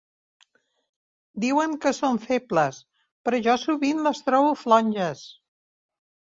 Diuen que són febles, però jo sovint les trobo flonges.